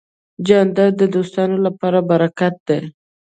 جانداد د دوستانو لپاره برکت دی.